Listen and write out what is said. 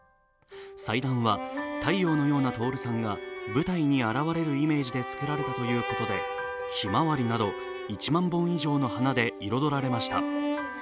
祭壇は太陽のような徹さんが舞台に現れるイメージで作られたということで、ひまわりなど１万本以上の花で彩られました。